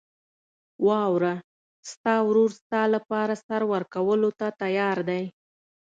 واوره، ستا ورور ستا لپاره سر ورکولو ته تیار دی.